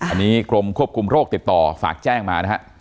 อันนี้กรมควบคุมโรคติดต่อฝากแจ้งมานะฮะ